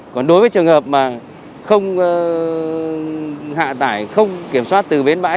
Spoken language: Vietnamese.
còn đối với trường hợp mà không hạ tải không kiểm soát từ bến bãi